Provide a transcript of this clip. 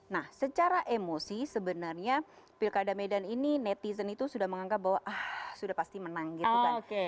nah secara emosi sebenarnya pilkada medan ini netizen itu sudah menganggap bahwa ah sudah pasti menang gitu kan